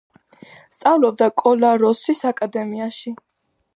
სწავლობდა კოლაროსის აკადემიაში.